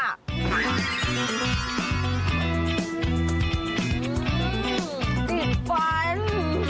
ติดฝัน